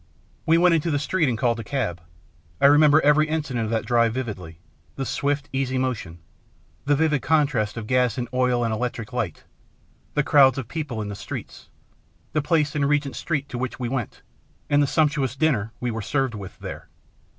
We went into the street and called a cab. I remember every incident of that drive vividly, the swift, easy motion, the vivid contrast of gas and oil and electric light, the crowds of people in the streets, the place in Regent Street to which we went, and the sumptuous dinner we were served with there.